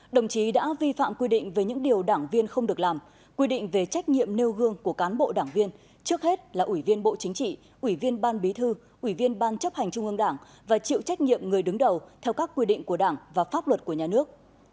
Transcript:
đồng chí đã vi phạm quy định về những điều đảng viên không được làm quy định về trách nhiệm nêu gương của cán bộ đảng viên trước hết là ủy viên bộ chính trị ủy viên ban bí thư ủy viên ban chấp hành trung ương đảng và chịu trách nhiệm người đứng đầu theo các quy định của đảng và pháp luật của nhà nước